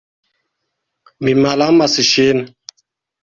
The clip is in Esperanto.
Mi malamas ŝin.